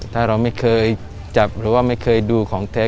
ถ้าเราไม่เคยจับหรือว่าไม่เคยดูของแท้